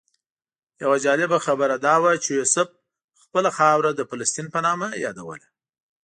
یوه جالبه خبره دا وه چې یوسف خپله خاوره د فلسطین په نامه یادوله.